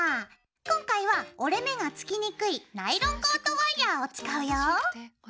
今回は折れ目がつきにくいナイロンコートワイヤーを使うよ。